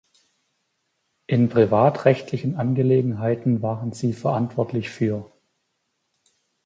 In privatrechtlichen Angelegenheiten waren sie verantwortlich für